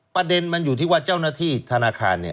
ประเด็นอยู่ที่ว่าเจ้าหน้าที่ธนาคาร